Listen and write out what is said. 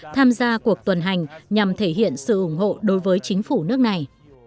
tham gia cuộc tuần hành nhằm thể hiện sự ủng hộ đối với chính phủ nước này